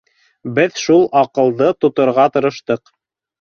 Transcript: Беҙ шул аҡылды тоторға тырыштыҡ.